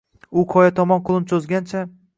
U qoya tomonga qo’lin cho’zgancha